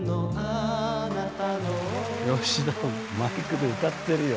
吉田もマイクで歌ってるよ。